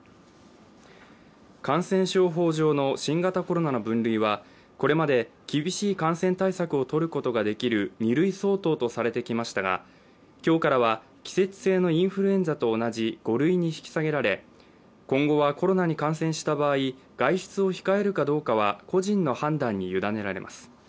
感染症法上の新型コロナの分類はこれまで、厳しい感染対策を取ることができる２類相当とされてきましたが今日からは季節性のインフルエンザと同じ５類に引き下げられ、今後はコロナに感染した場合外出を控えるかどうかは個人の判断に委ねられます。